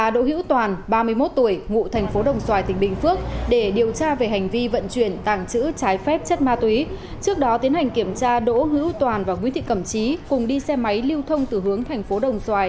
đỗ hữu toàn và nguyễn thị cẩm trí cùng đi xe máy lưu thông từ hướng thành phố đồng xoài